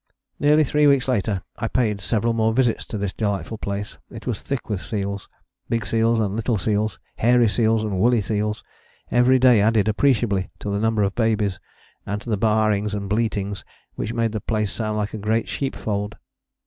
Nearly three weeks later I paid several more visits to this delightful place. It was thick with seals, big seals and little seals, hairy seals and woolly seals: every day added appreciably to the number of babies, and to the baaings and bleatings which made the place sound like a great sheepfold.